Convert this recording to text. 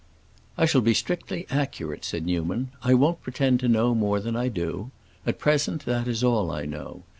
"I shall be strictly accurate," said Newman. "I won't pretend to know more than I do. At present that is all I know.